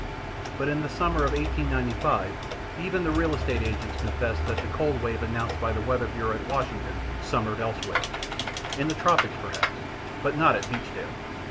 But in the summer of 1895 even the real estate agents confessed that the cold wave announced by the weather bureau at Washington summered elsewhere in the tropics, perhaps, but not at Beachdale.